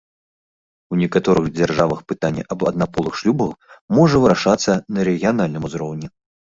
У некаторых дзяржавах пытанне аб аднаполых шлюбах можа вырашацца на рэгіянальным узроўні.